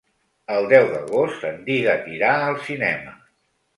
El deu d'agost en Dídac irà al cinema.